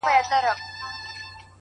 بويي تلم په توره شپه کي تر کهساره-